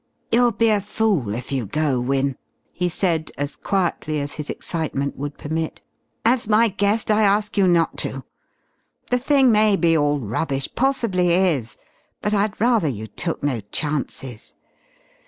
"You'll be a fool if you go, Wynne," he said, as quietly as his excitement would permit. "As my guest I ask you not to. The thing may be all rubbish possibly is but I'd rather you took no chances.